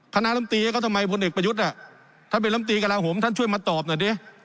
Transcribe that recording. คณะล้ำตีก็ทำไมพวกเด็กประยุทธอ่ะถ้าเป็นล้ำตีกระลาโหมท่านช่วยมาตอบหน่อยดิ